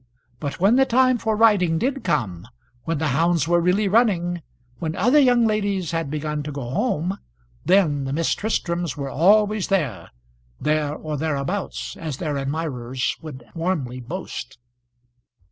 But when the time for riding did come, when the hounds were really running when other young ladies had begun to go home then the Miss Tristrams were always there; there or thereabouts, as their admirers would warmly boast.